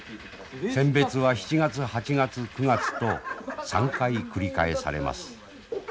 選別は７月８月９月と３回繰り返されます。